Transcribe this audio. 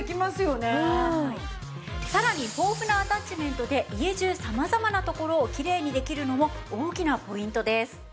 さらに豊富なアタッチメントで家中様々な所をきれいにできるのも大きなポイントです。